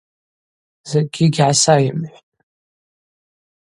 Закӏгьи гьгӏасайымхӏвтӏ.